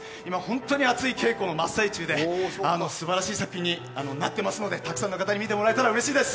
今熱い稽古の真っ最中で素晴らしい作品になってますので、たくさんの方に見てもらえたら嬉しいです。